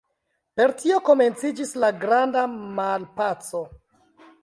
Per tio komenciĝis la Granda Malpaco.